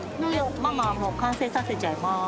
ママはもうかんせいさせちゃいます。